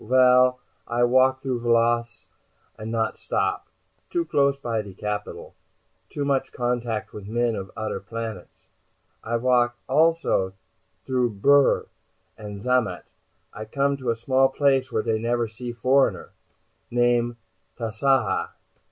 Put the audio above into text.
"Well, I walk through Vlahas, and not stop. Too close by the capital. Too much contact with men of odder planets. I walk also through Bhur and Zamat. I come to a small place where dey never see foreigner. Name Tasaaha.